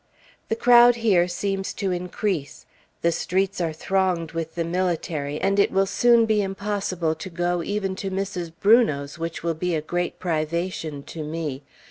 The crowd here seems to increase. The streets are thronged with the military, and it will soon be impossible to go even to Mrs. Brunot's, which will be a great privation to me....